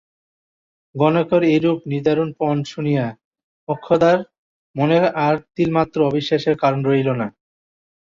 গণকের এইরূপ নিদারুণ পণ শুনিয়া মোক্ষদার মনে আর তিলমাত্র অবিশ্বাসের কারণ রহিল না।